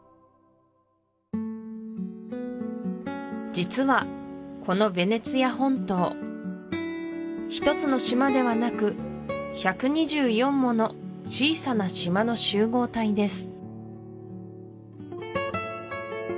実はこのヴェネツィア本島１つの島ではなく１２４もの小さな島の集合体です